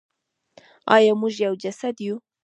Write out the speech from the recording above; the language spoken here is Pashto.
آیا موږ یو جسد یو؟